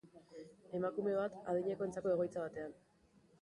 Emakume bat, adinekoentzako egoitza batean.